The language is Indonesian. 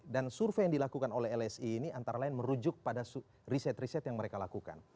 survei yang dilakukan oleh lsi ini antara lain merujuk pada riset riset yang mereka lakukan